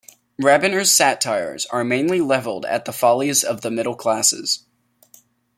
Rabener's satires are mainly levelled at the follies of the middle classes.